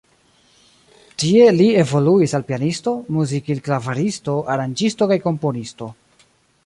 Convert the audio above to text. Tie li evoluis al pianisto, muzikil-klavaristo, aranĝisto kaj komponisto.